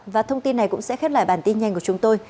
và thông tin này cũng sẽ khép lại bản tin nhanh của chúng tôi